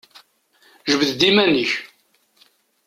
Jbed-d iman-ik!